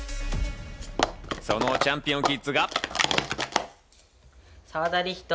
そのチャンピオンキッズが。